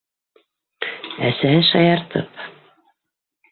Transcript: Әсәһе, шаяртып: